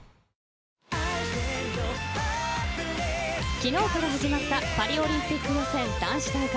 昨日から始まったパリオリンピック予選男子大会